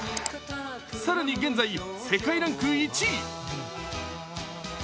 更に現在、世界ランク１位。